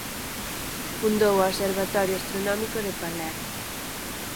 Fundou o observatorio astronómico de Palermo.